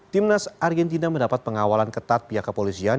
tim nasional argentina mendapat pengawalan ketat pihak kepolisian